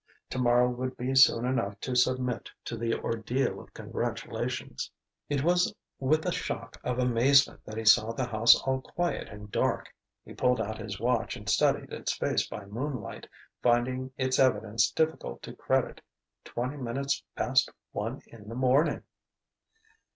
Tomorrow would be soon enough to submit to the ordeal of congratulations.... It was with a shock of amazement that he saw the house all quiet and dark. He pulled out his watch and studied its face by moonlight, finding its evidence difficult to credit: twenty minutes past one in the morning!